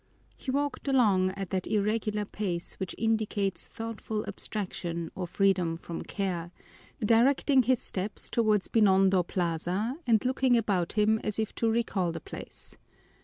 He walked along at that irregular pace which indicates thoughtful abstraction or freedom from care, directing his steps toward Binondo Plaza and looking about him as if to recall the place.